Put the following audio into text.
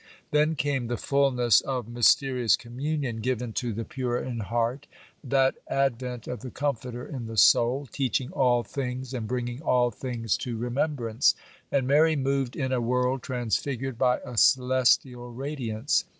Then came the fulness of mysterious communion given to the pure in heart, that advent of the Comforter in the soul, teaching all things and bringing all things to remembrance; and Mary moved in a world transfigured by a celestial radiance.